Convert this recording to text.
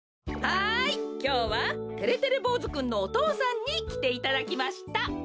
はいきょうはてれてれぼうずくんのお父さんにきていただきました。